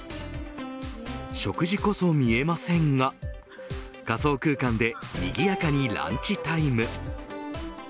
食事こそ見えませんが仮想空間でにぎやかにランチタイム。